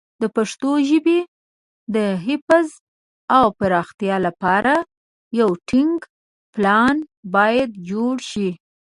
د پښتو ژبې د حفظ او پراختیا لپاره یو ټینګ پلان باید جوړ شي.